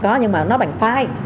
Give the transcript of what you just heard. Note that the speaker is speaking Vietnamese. có nhưng mà nó bằng file